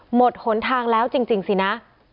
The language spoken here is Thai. หนทางแล้วจริงสินะ